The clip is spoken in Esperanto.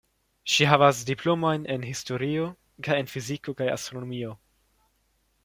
Ŝi havas diplomojn en historio kaj en fiziko kaj astronomio.